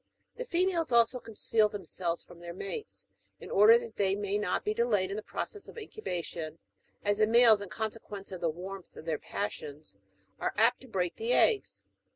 The females also conceal themselves from their mates, in order that they may not be delayed in the process of incubation, as the males, in consequence of the warmth of their passions, are apt to break the eggs.